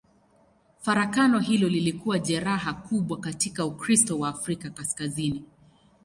Farakano hilo lilikuwa jeraha kubwa katika Ukristo wa Afrika Kaskazini.